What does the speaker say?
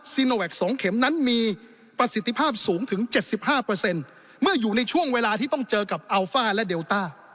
สินโอแอร์แหคสองเข็มนั้นมีประสิทธิภาพสูงถึงเจ็ดสิบห้าเปอร์เซ็นต์เมื่ออยู่ในช่วงเวลาที่ต้องเจอกับอัลฟ้าและเดลต้า